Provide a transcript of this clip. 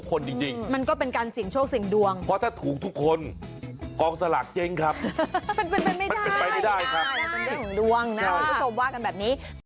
คุณผู้ชมว่ากันแบบนี้